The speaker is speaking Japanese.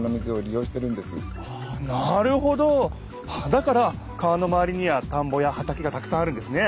だから川のまわりには田んぼや畑がたくさんあるんですね！